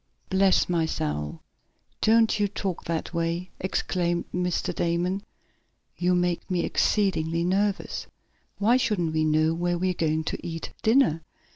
"Bless my soul! Don't you talk that way!" exclaimed Mr. Damon. "You make me exceedingly nervous. Why shouldn't we know where we are going to eat dinner?"